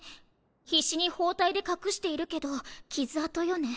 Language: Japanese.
必死に包帯で隠しているけど傷痕よね。